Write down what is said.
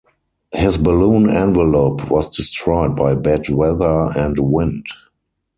His balloon envelope was destroyed by bad-weather and wind.